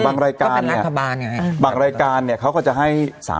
บางรายการเค้าก็ก็จะให้๓๐๐๐